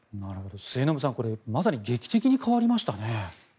末延さん、これまさに劇的に変わりましたね。